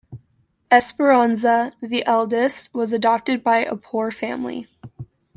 Esperanza, the eldest, was adopted by a poor family.